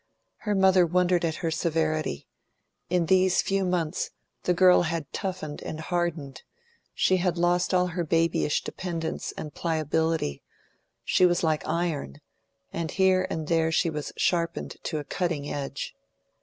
Her mother wondered at her severity; in these few months the girl had toughened and hardened; she had lost all her babyish dependence and pliability; she was like iron; and here and there she was sharpened to a cutting edge.